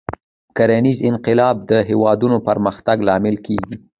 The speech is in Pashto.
کرنیز انقلاب د هېوادونو پرمختګ لامل کېږي.